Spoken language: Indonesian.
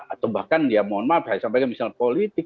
atau bahkan ya mohon maaf saya sampaikan misalnya politik